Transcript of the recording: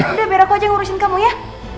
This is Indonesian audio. udah biar aku aja yang ngurusin kamu ya